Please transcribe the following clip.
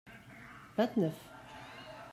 Vingt-neuf.